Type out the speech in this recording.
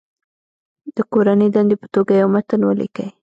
د کورنۍ دندې په توګه یو متن ولیکئ.